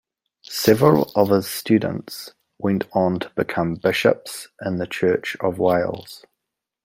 Several of his students went on to become bishops in the Church in Wales.